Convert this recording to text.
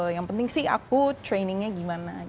yang penting sih aku trainingnya gimana